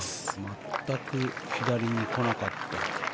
全く左に来なかった。